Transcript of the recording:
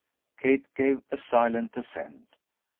Kate gave a silent assent.